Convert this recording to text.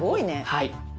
はい。